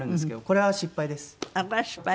これは失敗です。